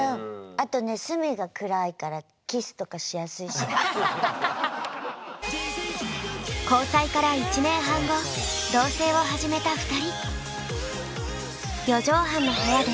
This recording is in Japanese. あとね交際から１年半後同棲を始めた２人。